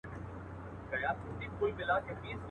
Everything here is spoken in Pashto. هم د كلي هم بلاوي د بيابان يو.